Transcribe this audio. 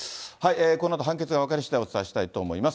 このあと判決が分かりしだいお伝えしたいと思います。